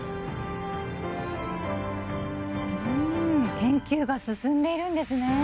研究が進んでいるんですね。